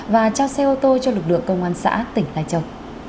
và trao xe ô tô cho lực lượng công an xã tỉnh lai châu